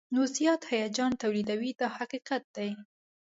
نو زیات هیجان تولیدوي دا حقیقت دی.